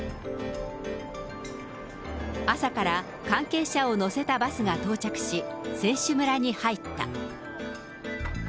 朝から関係者を乗せたバスが到着し、選手村に入った。